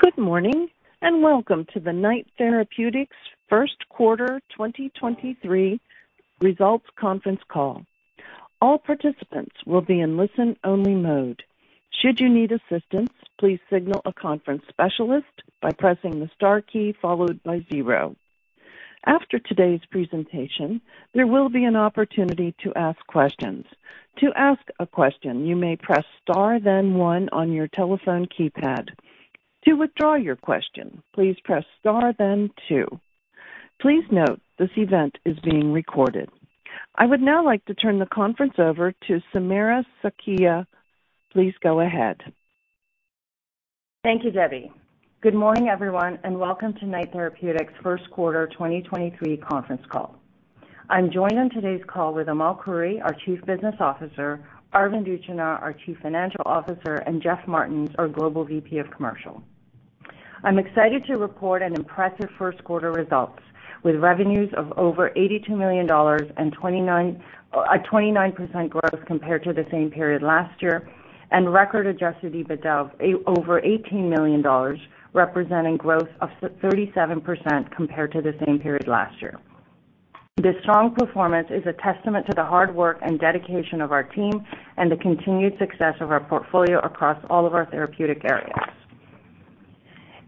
Good morning, welcome to the Knight Therapeutics first quarter 2023 results conference call. All participants will be in listen-only mode. Should you need assistance, please signal a conference specialist by pressing the star key followed by zero. After today's presentation, there will be an opportunity to ask questions. To ask a question, you may press Star then one on your telephone keypad. To withdraw your question, please press Star then two. Please note this event is being recorded. I would now like to turn the conference over to Samira Sakhia. Please go ahead. Thank you, Debbie. Good morning, everyone, welcome to Knight Therapeutics first quarter 2023 conference call. I'm joined on today's call with Amal Khoury, our Chief Business Officer, Arvind Utchanah, our Chief Financial Officer, and Jeff Martens, our Global VP of Commercial. I'm excited to report an impressive first quarter results with revenues of over 82 million dollars and 29% growth compared to the same period last year, and record adjusted EBITDA of over 18 million dollars, representing growth of 37% compared to the same period last year. This strong performance is a testament to the hard work and dedication of our team and the continued success of our portfolio across all of our therapeutic areas.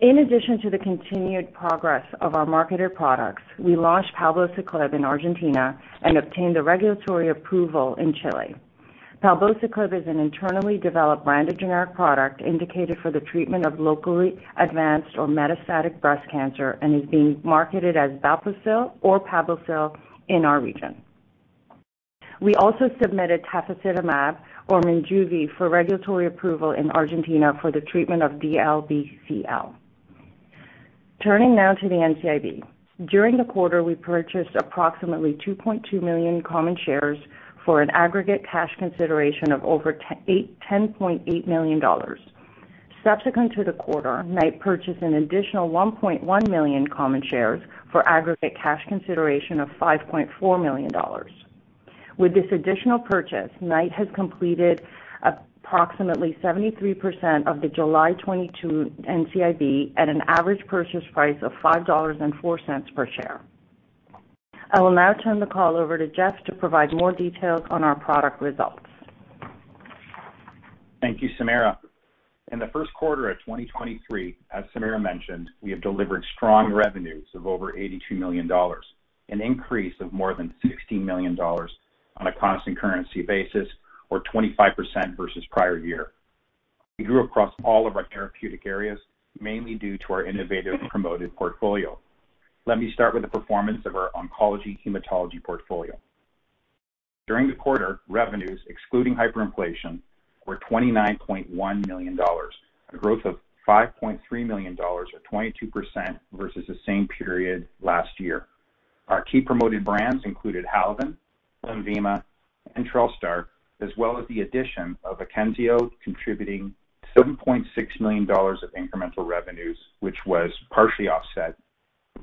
In addition to the continued progress of our marketer products, we launched Palbociclib in Argentina and obtained the regulatory approval in Chile. Palbociclib is an internally developed branded generic product indicated for the treatment of locally advanced or metastatic breast cancer and is being marketed as Palbocil or Palbocil in our region. We also submitted Tafasitamab or MINJUVI for regulatory approval in Argentina for the treatment of DLBCL. Turning now to the NCIB. During the quarter, we purchased approximately 2.2 million common shares for an aggregate cash consideration of over 10.8 million dollars. Subsequent to the quarter, Knight purchased an additional 1.1 million common shares for aggregate cash consideration of 5.4 million dollars. With this additional purchase, Knight has completed approximately 73% of the July 2022 NCIB at an average purchase price of 5.04 dollars per share. I will now turn the call over to Jeff to provide more details on our product results. Thank you, Samira. In the first quarter of 2023, as Samira mentioned, we have delivered strong revenues of over 82 million dollars, an increase of more than 16 million dollars on a constant currency basis, or 25% versus prior year. We grew across all of our therapeutic areas, mainly due to our innovative promoted portfolio. Let me start with the performance of our oncology hematology portfolio. During the quarter, revenues, excluding hyperinflation, were 29.1 million dollars, a growth of 5.3 million dollars, or 22% versus the same period last year. Our key promoted brands included Halaven, Lenvima, and Trelegy, as well as the addition of Akynzeo, contributing 7.6 million dollars of incremental revenues, which was partially offset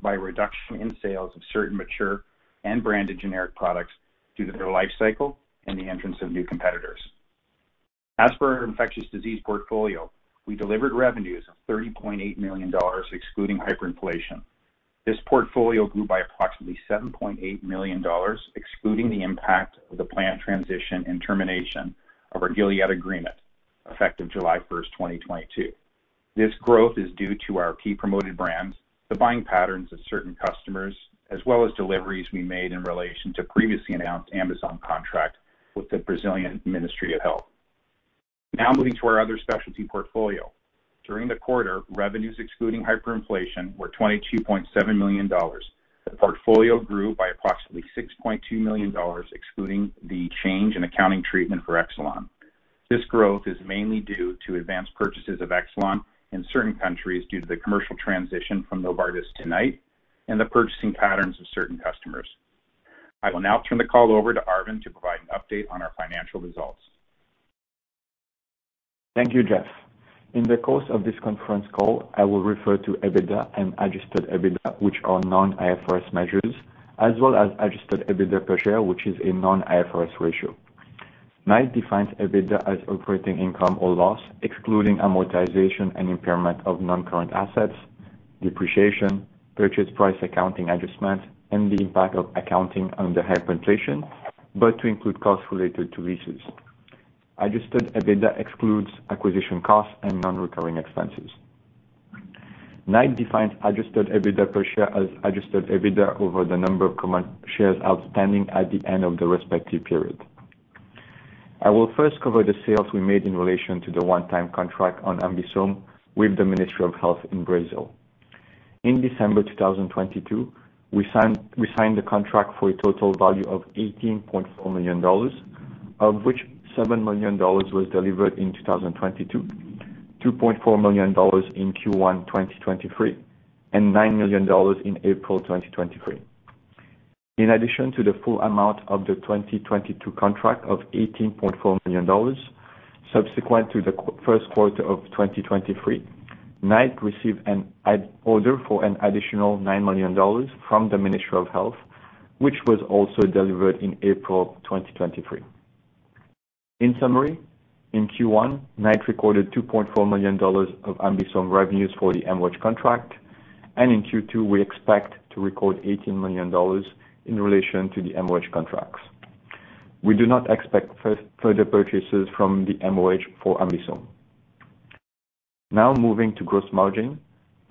by a reduction in sales of certain mature and branded generic products due to their life cycle and the entrance of new competitors. As for our infectious disease portfolio, we delivered revenues of 30.8 million dollars, excluding hyperinflation. This portfolio grew by approximately 7.8 million dollars, excluding the impact of the plant transition and termination of our Gilead agreement, effective 1 July, 2022. This growth is due to our key promoted brands, the buying patterns of certain customers, as well as deliveries we made in relation to previously announced AmBisome contract with the Brazilian Ministry of Health. Moving to our other specialty portfolio. During the quarter, revenues excluding hyperinflation were 22.7 million dollars. The portfolio grew by approximately 6.2 million dollars, excluding the change in accounting treatment for Exelon. This growth is mainly due to advanced purchases of Exelon in certain countries due to the commercial transition from Novartis to Knight and the purchasing patterns of certain customers. I will now turn the call over to Arvind to provide an update on our financial results. Thank you, Jeff. In the course of this conference call, I will refer to EBITDA and adjusted EBITDA, which are non-IFRS measures, as well as adjusted EBITDA per share, which is a non-IFRS ratio. Knight defines EBITDA as operating income or loss, excluding amortization and impairment of non-current assets, depreciation, purchase price accounting adjustment, and the impact of accounting under hyperinflation, but to include costs related to leases. Adjusted EBITDA excludes acquisition costs and non-recurring expenses. Knight defines adjusted EBITDA per share as adjusted EBITDA over the number of common shares outstanding at the end of the respective period. I will first cover the sales we made in relation to the one-time contract on AmBisome with the Ministry of Health in Brazil. In December 2022, we signed a contract for a total value of 18.4 million dollars, of which 7 million dollars was delivered in 2022, 2.4 million dollars in Q1, 2023, and 9 million dollars in April 2023. In addition to the full amount of the 2022 contract of 18.4 million dollars, subsequent to the first quarter of 2023, Knight received an order for an additional 9 million dollars from the Ministry of Health, which was also delivered in April 2023. In summary, in Q1, Knight recorded 2.4 million dollars of AmBisome revenues for the MOH contract, and in Q2, we expect to record 18 million dollars in relation to the MOH contracts. We do not expect further purchases from the MOH for AmBisome. Now moving to gross margin.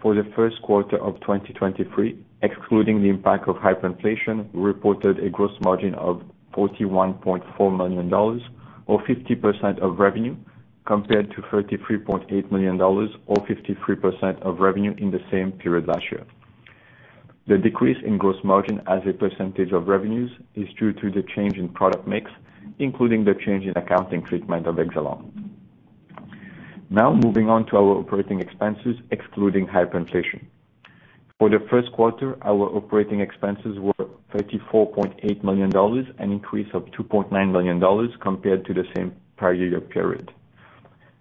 For the first quarter of 2023, excluding the impact of hyperinflation, we reported a gross margin of 41.4 million dollars or 50% of revenue, compared to 33.8 million dollars or 53% of revenue in the same period last year. The decrease in gross margin as a percentage of revenues is due to the change in product mix, including the change in accounting treatment of Exelon. Moving on to our operating expenses, excluding hyperinflation. For the first quarter, our operating expenses were 34.8 million dollars, an increase of 2.9 million dollars compared to the same prior year period.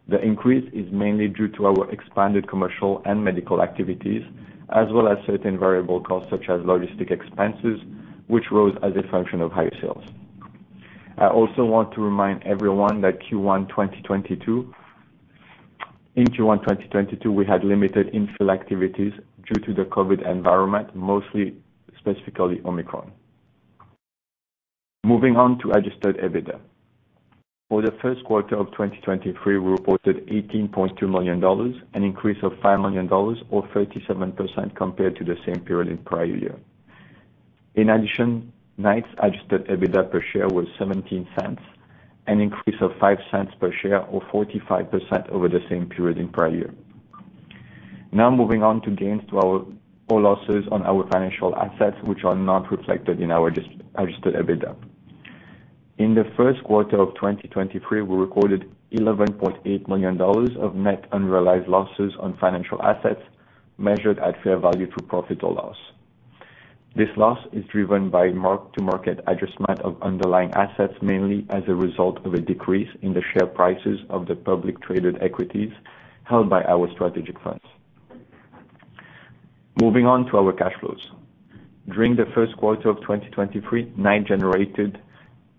The increase is mainly due to our expanded commercial and medical activities, as well as certain variable costs such as logistic expenses, which rose as a function of higher sales. I also want to remind everyone that in Q1 2022, we had limited infill activities due to the COVID environment, mostly specifically Omicron. Moving on to adjusted EBITDA. For the first quarter of 2023, we reported 18.2 million dollars, an increase of 5 million dollars or 37% compared to the same period in prior year. In addition, Knight's adjusted EBITDA per share was 0.17, an increase of 0.05 per share or 45% over the same period in prior year. Moving on to gains or losses on our financial assets, which are not reflected in our adjusted EBITDA. In the first quarter of 2023, we recorded 11.8 million dollars of net unrealized losses on financial assets measured at fair value through profit or loss. This loss is driven by mark-to-market adjustment of underlying assets, mainly as a result of a decrease in the share prices of the publicly traded equities held by our strategic funds. Moving on to our cash flows. During the first quarter of 2023, Knight generated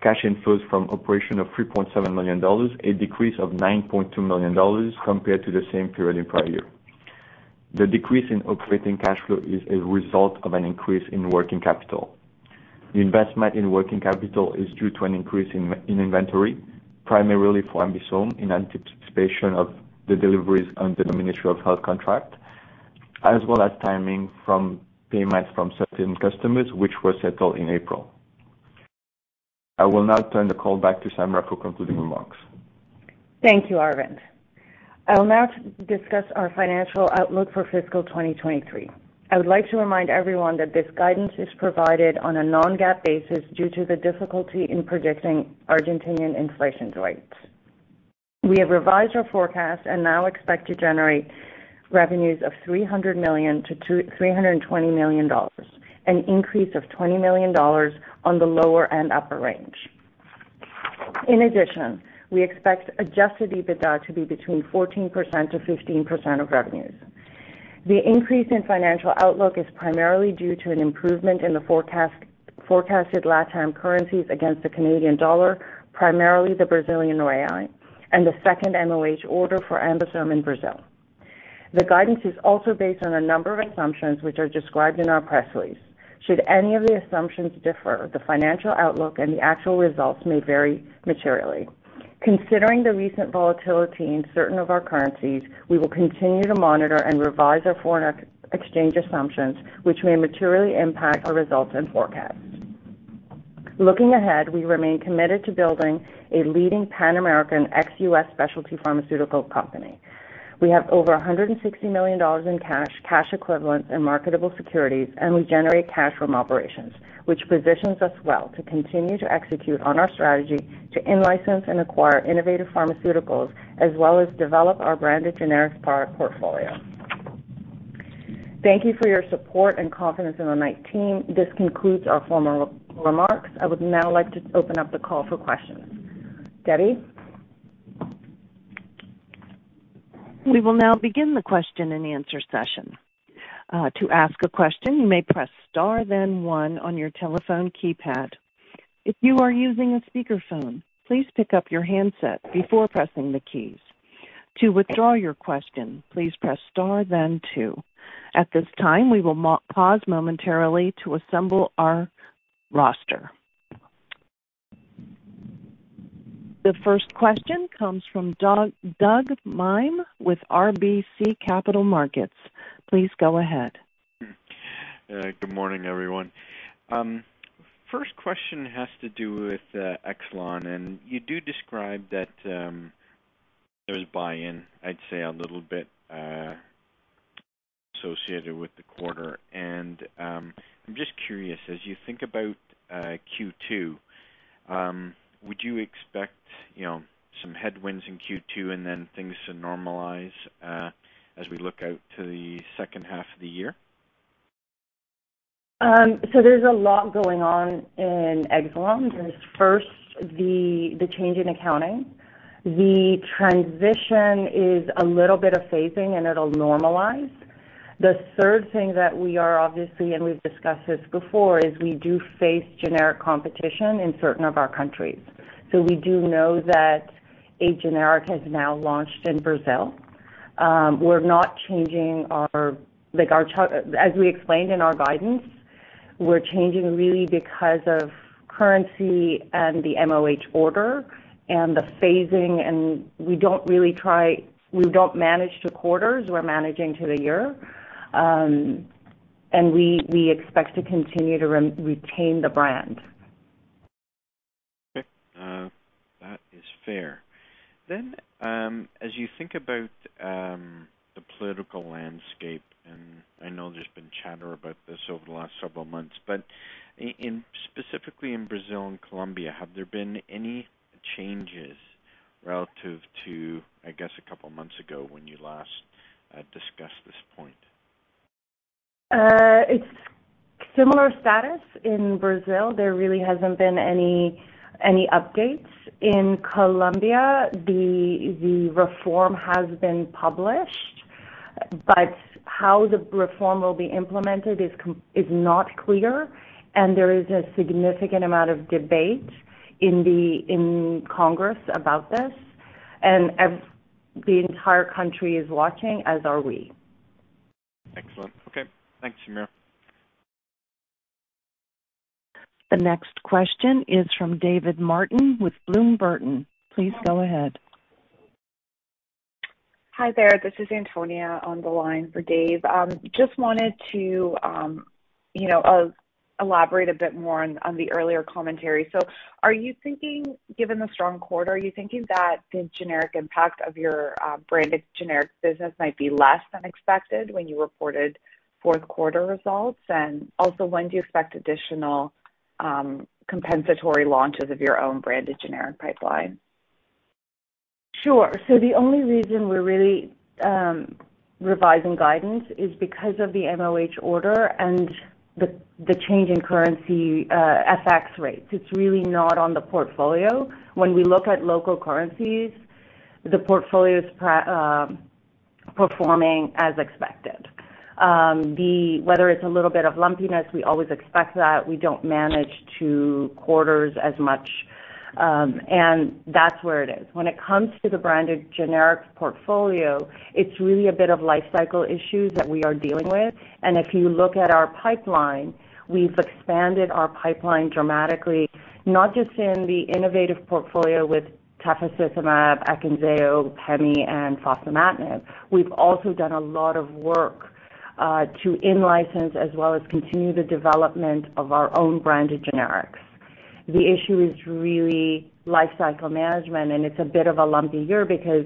cash inflows from operation of 3.7 million dollars, a decrease of 9.2 million dollars compared to the same period in prior year. The decrease in operating cash flow is a result of an increase in working capital. The investment in working capital is due to an increase in inventory, primarily for AmBisome in anticipation of the deliveries under the Ministry of Health contract, as well as timing from payments from certain customers which were settled in April. I will now turn the call back to Samira for concluding remarks. Thank you, Arvind. I will now discuss our financial outlook for fiscal 2023. I would like to remind everyone that this guidance is provided on a non-GAAP basis due to the difficulty in predicting Argentinian inflation rates. We have revised our forecast and now expect to generate revenues of 300 million-320 million dollars, an increase of 20 million dollars on the lower and upper range. In addition, we expect adjusted EBITDA to be between 14%-15% of revenues. The increase in financial outlook is primarily due to an improvement in the forecast, forecasted LatAm currencies against the Canadian dollar, primarily the Brazilian real, and the second MOH order for AmBisome in Brazil. The guidance is also based on a number of assumptions which are described in our press release. Should any of the assumptions differ, the financial outlook and the actual results may vary materially. Considering the recent volatility in certain of our currencies, we will continue to monitor and revise our foreign exchange assumptions, which may materially impact our results and forecasts. Looking ahead, we remain committed to building a leading Pan-American ex-U.S. specialty pharmaceutical company. We have over 160 million dollars in cash equivalents, and marketable securities, and we generate cash from operations, which positions us well to continue to execute on our strategy to in-license and acquire innovative pharmaceuticals, as well as develop our branded generics portfolio. Thank you for your support and confidence in the Knight team. This concludes our formal remarks. I would now like to open up the call for questions. Debbie? We will now begin the question-and-answer session. To ask a question, you may press star then one on your telephone keypad. If you are using a speaker phone, please pick up your handset before pressing the keys. To withdraw your question, please press star then two. At this time, we will pause momentarily to assemble our roster. The first question comes from Douglas Miehm with RBC Capital Markets. Please go ahead. Good morning, everyone. First question has to do with Exelon, and you do describe that there's buy-in, I'd say a little bit, associated with the quarter. I'm just curious, as you think about Q2, would you expect, you know, some headwinds in Q2 and then things to normalize as we look out to the second half of the year? There's a lot going on in Exelon. There's first the change in accounting. The transition is a little bit of phasing, and it'll normalize. The third thing that we are obviously, and we've discussed this before, is we do face generic competition in certain of our countries. We do know that a generic has now launched in Brazil. As we explained in our guidance, we're changing really because of currency and the MOH order and the phasing, and we don't really manage to quarters, we're managing to the year. We expect to continue to re-retain the brand. Okay. That is fair. As you think about the political landscape, and I know there's been chatter about this over the last several months, but in, specifically in Brazil and Colombia, have there been any changes relative to, I guess, a couple of months ago when you last discussed this point? It's similar status in Brazil. There really hasn't been any updates. In Colombia, the reform has been published, but how the reform will be implemented is not clear, and there is a significant amount of debate in Congress about this. The entire country is watching, as are we. Excellent. Okay. Thanks, Samira. The next question is from David Martin with Bloom Burton. Please go ahead. Hi there. This is Antonia on the line for Dave. Just wanted to, you know, elaborate a bit more on the earlier commentary. Are you thinking, given the strong quarter, are you thinking that the generic impact of your branded generic business might be less than expected when you reported fourth quarter results? Also, when do you expect additional compensatory launches of your own branded generic pipeline? Sure. The only reason we're really revising guidance is because of the MOH order and the change in currency FX rates. It's really not on the portfolio. When we look at local currencies, the portfolio is performing as expected. Whether it's a little bit of lumpiness, we always expect that. We don't manage to quarters as much. That's where it is. When it comes to the branded generics portfolio, it's really a bit of lifecycle issues that we are dealing with. If you look at our pipeline, we've expanded our pipeline dramatically, not just in the innovative portfolio with Tafasitamab, Akynzeo, Pemazyre, and Fostamatinib. We've also done a lot of work to in-license as well as continue the development of our own branded generics. The issue is really lifecycle management. It's a bit of a lumpy year because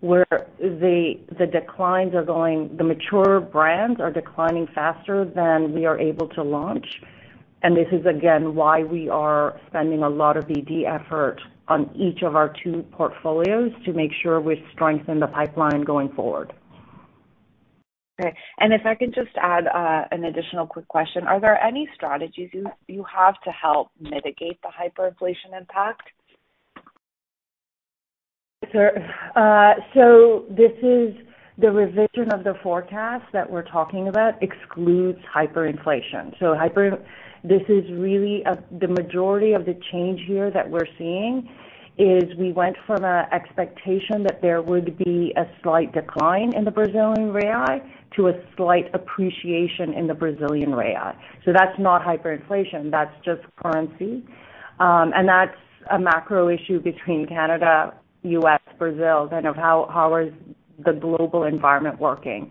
where the declines are going, the mature brands are declining faster than we are able to launch. This is, again, why we are spending a lot of ED effort on each of our two portfolios to make sure we strengthen the pipeline going forward. Okay. If I could just add, an additional quick question. Are there any strategies you have to help mitigate the hyperinflation impact? Sure. This is the revision of the forecast that we're talking about excludes hyperinflation. This is really The majority of the change here that we're seeing is we went from an expectation that there would be a slight decline in the Brazilian real to a slight appreciation in the Brazilian real. That's not hyperinflation, that's just currency. That's a macro issue between Canada, U.S., Brazil, kind of how is the global environment working.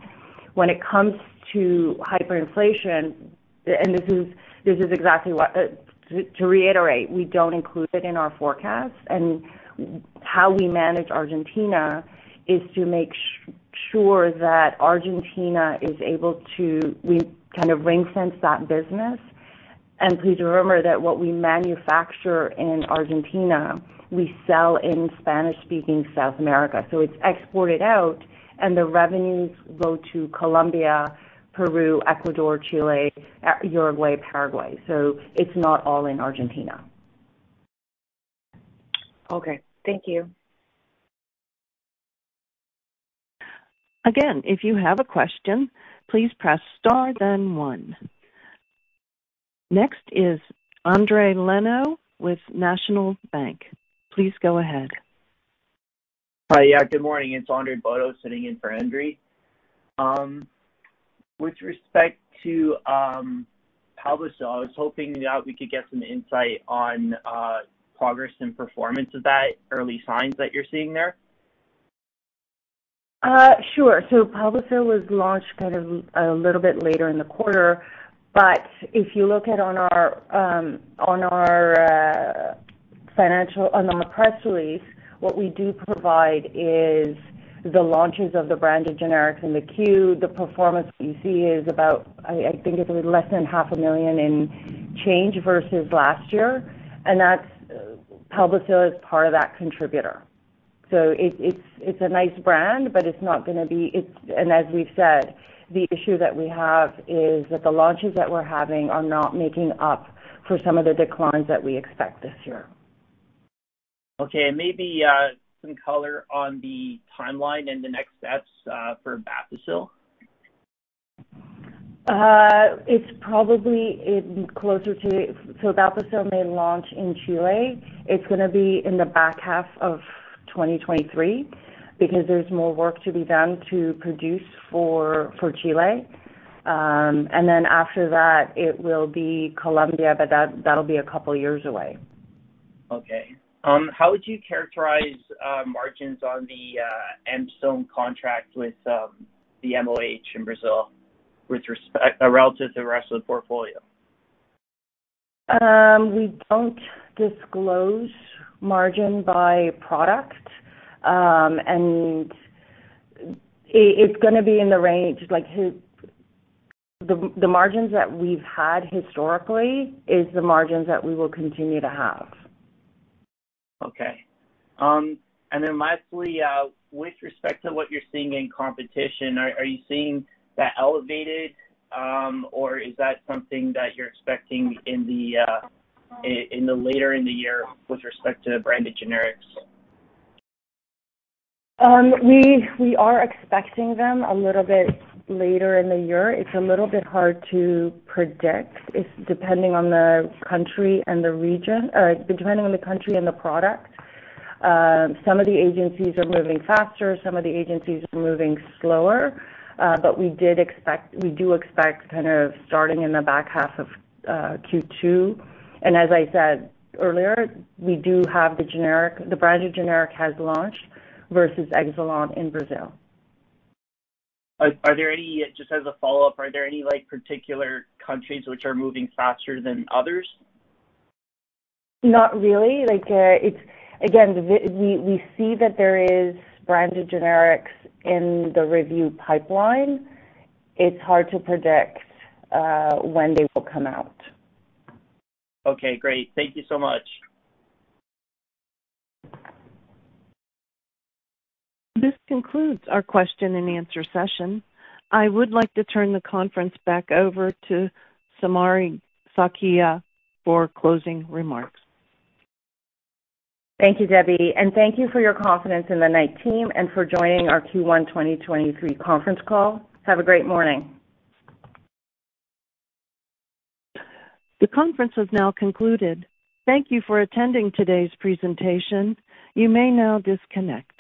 When it comes to hyperinflation, this is exactly what. To reiterate, we don't include it in our forecast. How we manage Argentina is to make sure that Argentina is able to We kind of ring-fence that business. Please remember that what we manufacture in Argentina, we sell in Spanish-speaking South America. It's exported out and the revenues go to Colombia, Peru, Ecuador, Chile, Uruguay, Paraguay. It's not all in Argentina. Okay. Thank you. Again, if you have a question, please press star then one. Next is Andre Lano with National Bank. Please go ahead. Hi. Yeah, good morning. It's Andre Bodo sitting in for Andre. With respect to Palbociclib, I was hoping that we could get some insight on progress and performance of that, early signs that you're seeing there. Sure. Palbociclib was launched kind of a little bit later in the quarter. If you look at on our, on our press release, what we do provide is the launches of the brand of generics in the queue. The performance you see is about, I think it was less than half a million in change versus last year, and that's, Palbociclib is part of that contributor. It's a nice brand, but it's not gonna be. As we've said, the issue that we have is that the launches that we're having are not making up for some of the declines that we expect this year. Okay. Maybe some color on the timeline and the next steps for Palbocil. Palbocilcil may launch in Chile. It's gonna be in the back half of 2023 because there's more work to be done to produce for Chile. Then after that, it will be Colombia. That'll be a couple years away. Okay. How would you characterize margins on the AmBisome contract with the MOH in Brazil with respect or relative to the rest of the portfolio? We don't disclose margin by product. It's gonna be in the range, like the margins that we've had historically is the margins that we will continue to have. Okay. And then lastly, with respect to what you're seeing in competition, are you seeing that elevated, or is that something that you're expecting in the later in the year with respect to branded generics? We are expecting them a little bit later in the year. It's a little bit hard to predict. It's depending on the country and the region, or depending on the country and the product. Some of the agencies are moving faster, some of the agencies are moving slower. We do expect starting in the back half of Q2. As I said earlier, we do have the generic. The branded generic has launched versus Exelon in Brazil. Are there any, just as a follow-up, are there any, like, particular countries which are moving faster than others? Not really. Like, it's again, we see that there is branded generics in the review pipeline. It's hard to predict when they will come out. Okay, great. Thank you so much. This concludes our question and answer session. I would like to turn the conference back over to Samira Sakhia for closing remarks. Thank you, Debbie, and thank you for your confidence in the Knight team and for joining our Q1 2023 conference call. Have a great morning. The conference has now concluded. Thank you for attending today's presentation. You may now disconnect.